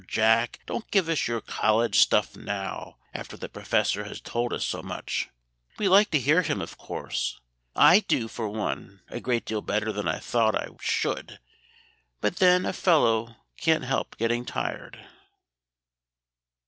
Jack, don't give us your college stuff now, after the Professor has told us so much. We like to hear him, of course. I do, for one, a great deal better than I thought I should. But then a fellow can't help getting tired."